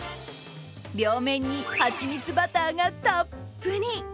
両面に蜂蜜バターがたっぷり。